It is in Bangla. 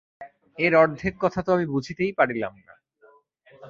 এর অর্ধেক কথা তো আমি বুঝিতেই পারিলাম না।